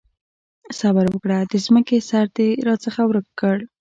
صبره وکړه! د ځمکې سر دې راڅخه ورک کړ.